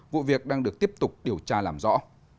vụ việc đang được tiếp tục điều tra làm rõ